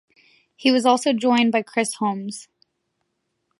He was also joined by Chris Holmes.